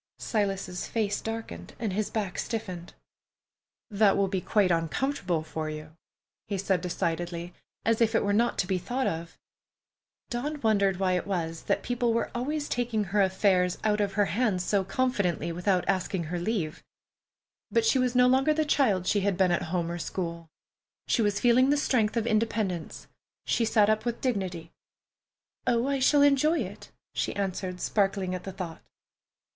Silas's face darkened and his back stiffened. "That will be quite uncomfortable for you," he said decidedly, as if it were not to be thought of. Dawn wondered why it was that people were always taking her affairs out of her hands so confidently, without asking her leave. But she was no longer the child she had been at home or school. She was feeling the strength of independence. She sat up with dignity. "Oh, I shall enjoy it," she answered, sparkling at the thought.